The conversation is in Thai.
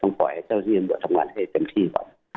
ปล่อยให้เจ้าที่ตำรวจทำงานให้เต็มที่ก่อน